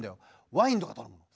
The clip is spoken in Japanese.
ワインとか頼むの。